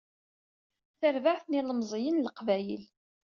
Tarbaεt n Yilemẓiyen n Leqbayel.